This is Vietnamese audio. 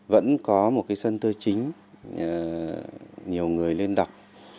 vẫn có một cái sân thơ chính nhiều người lên đọc